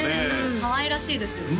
かわいらしいですよね